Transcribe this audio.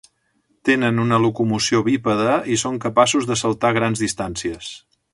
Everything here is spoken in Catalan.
Tenen una locomoció bípeda i són capaços de saltar grans distàncies.